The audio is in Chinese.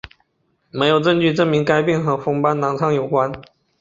没有证据证明该病和红斑狼疮有关。